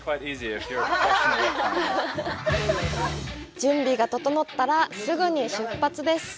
準備が整ったら、すぐに出発です！